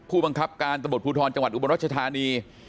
ผู้บังคับการตำรวจภูทรจังหวัดอุบลรัชธานี